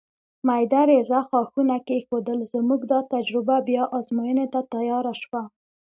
مېده رېزه ښاخونه کېښودل، زموږ دا تجربه بیا ازموینې ته تیاره شوه.